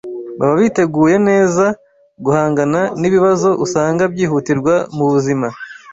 baba biteguye neza guhangana n’ibibazo usanga byihutirwa mu buzima.